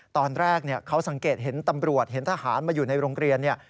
ตอนแรกเขาสังเกตเห็นตำรวจเห็นทหารมาอยู่ในโรงเรียนเนี่ย